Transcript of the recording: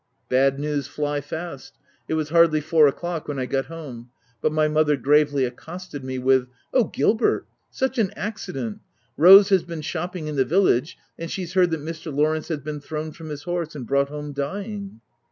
OF WILDFELL HALL,. 247 Bad news fly fast : it was hardly four o'clock when I got home, but my mother gravely ac costed me with — "Oh, Gilbert I— Sue h an accident! Rose has been shopping in the village, and she's heard that Mr. Lawrence has been thrown from his horse and brought home dying!"